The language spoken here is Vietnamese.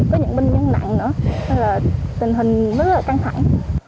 có những bệnh nhân nặng nữa nên là tình hình rất là căng thẳng